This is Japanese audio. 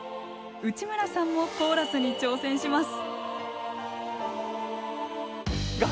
内村さんもコーラスに挑戦します！